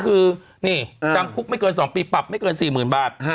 คือนี่จำคุกไม่เกิน๒ปีปรับไม่เกิน๔๐๐๐บาท